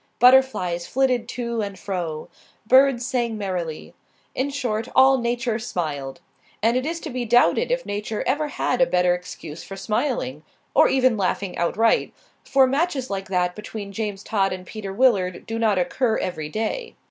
Butterflies flitted to and fro; birds sang merrily. In short, all Nature smiled. And it is to be doubted if Nature ever had a better excuse for smiling or even laughing outright; for matches like that between James Todd and Peter Willard do not occur every day.